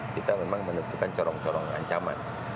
kita memang menentukan corong corong ancaman